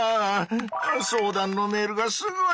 相談のメールがすごい！